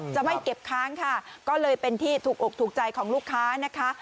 จะไม่เก็บค้างค่ะก็เลยเป็นที่ถูกอกถูกใจของลูกค้านะคะ